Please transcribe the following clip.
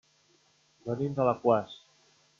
Venim d'Alaquàs.